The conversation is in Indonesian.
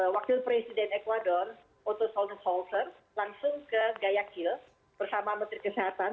wakil presiden ecuador otosol solser langsung ke gayakil bersama menteri kesehatan